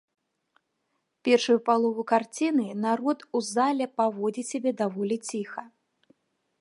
Першую палову карціны народ у зале паводзіць сябе даволі ціха.